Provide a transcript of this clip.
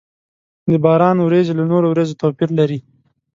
د باران ورېځې له نورو ورېځو توپير لري.